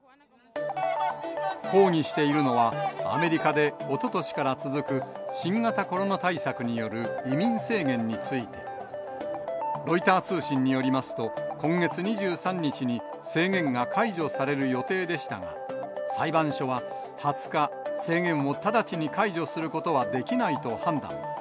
抗議しているのは、アメリカでおととしから続く新型コロナ対策による移民制限について、ロイター通信によりますと、今月２３日に制限が解除される予定でしたが、裁判所は２０日、制限を直ちに解除することはできないと判断。